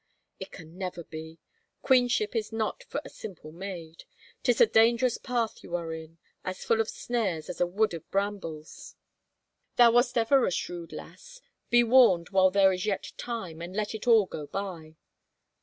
" It can never be. Queenship is not for a simple maid. Tis a dangerous path you are in, as full of snares as a wood of brambles. Thou wast ever a shrewd lass — be warned while there is yet time and let it all go by.